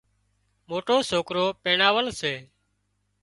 موٽِو سوڪرو پينڻاول سي